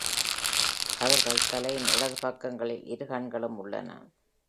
அவர்கள் தலையின் இடது பக்கங்களில் இரு கண்களும் உள்ளன.